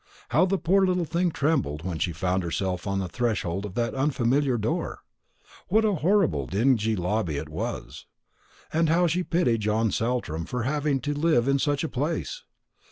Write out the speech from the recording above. How the poor little thing trembled when she found herself on the threshold of that unfamiliar door! What a horrible dingy lobby it was! and how she pitied John Saltram for having to live in such place!